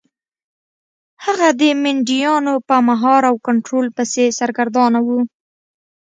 هغه د مینډیانو په مهار او کنټرول پسې سرګردانه و.